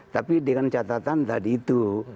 tapi dengan catatan tadi itu